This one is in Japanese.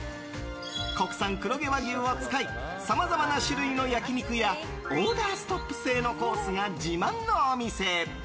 国産黒毛和牛を使いさまざまな種類の焼き肉やオーダーストップ制のコースが自慢のお店。